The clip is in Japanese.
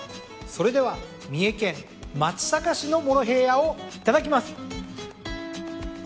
それでは三重県松阪市のモロヘイヤをいただきます。